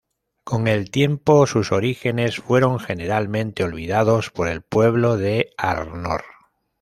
Con el tiempo, sus orígenes fueron generalmente olvidados por el pueblo de Arnor.